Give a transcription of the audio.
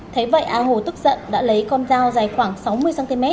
thế vậy a hồ tức giận đã lấy con dao dài khoảng sáu mươi cm